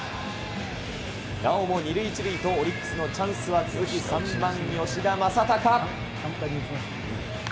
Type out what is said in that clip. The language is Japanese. なおも２塁１塁と、オリックスのチャンスは続き、３番吉田正尚。